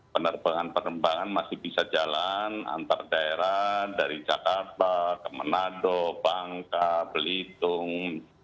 penerbangan penerbangan masih bisa jalan antar daerah dari jakarta ke menado bangka belitung